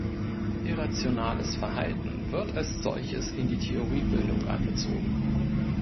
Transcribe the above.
Irrationales Verhalten wird als solches in die Theoriebildung einbezogen.